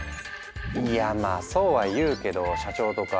「いやまあそうは言うけど社長とか上司とか？